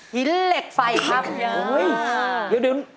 ฮินเหล็กไฟครับ